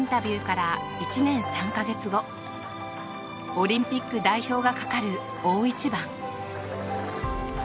オリンピック代表がかかる大一番。